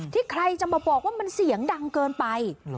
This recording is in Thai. ใครจะมาบอกว่ามันเสียงดังเกินไป